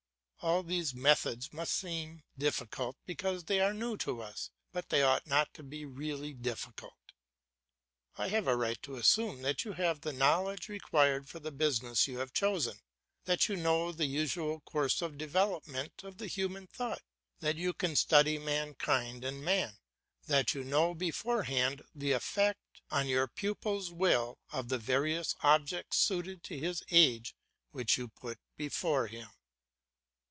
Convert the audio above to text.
All these methods seem difficult because they are new to us, but they ought not to be really difficult. I have a right to assume that you have the knowledge required for the business you have chosen; that you know the usual course of development of the human thought, that you can study mankind and man, that you know beforehand the effect on your pupil's will of the various objects suited to his age which you put before him.